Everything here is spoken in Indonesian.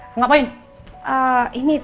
bunga siapa sih itu